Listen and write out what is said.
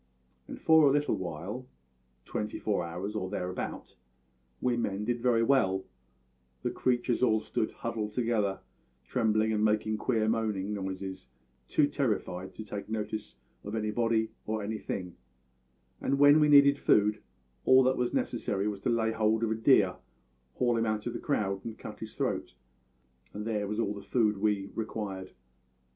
And for a little while twenty four hours, or thereabout we men did very well; the creatures all stood huddled together, trembling and making queer moaning, noises, too terrified to take notice of anybody or anything, and when we needed food all that was necessary was to lay hold of a deer, haul him out of the crowd, and cut his throat and there was all the food we required.